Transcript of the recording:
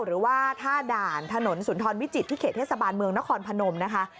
หรือว่าท่าด่านถนนสุนทรวิจิตรที่เขตเทศบาลเมืองนครพนมนะคะ